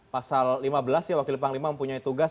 pasal lima belas ya wakil panglima mempunyai tugas